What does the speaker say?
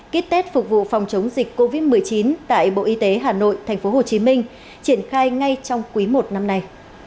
kit test phục vụ phòng chống dịch covid một mươi chín tại bộ y tế hà nội tp hcm triển khai ngay trong quý một năm nay